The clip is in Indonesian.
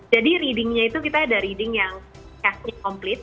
jadi readingnya itu kita ada reading yang casting complete